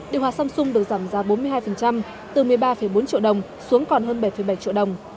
điều hòa samsung được giảm giá bốn mươi hai từ một mươi ba bốn triệu đồng xuống còn hơn bảy bảy triệu đồng